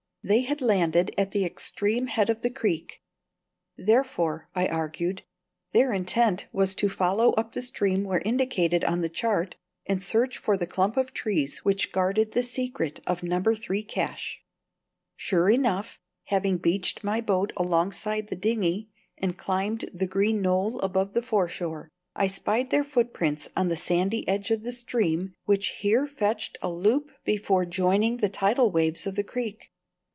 They had landed at the extreme head of the creek. Therefore (I argued) their intent was to follow up the stream here indicated on the chart and search for the clump of trees which guarded the secret of No. 3 cache. Sure enough, having beached my boat alongside the dinghy and climbed the green knoll above the foreshore, I spied their footprints on the sandy edge of the stream which here fetched a loop before joining the tidal waters of the creek.